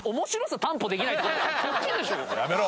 やめろ！